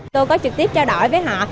tôi có trực tiếp trao đổi với họ